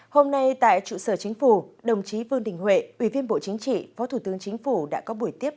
hôm nay tại trụ sở chính phủ đồng chí vương đình huệ ủy viên bộ chính trị phó thủ tướng chính phủ đã có buổi tiếp